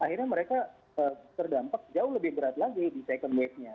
akhirnya mereka terdampak jauh lebih berat lagi di second wave nya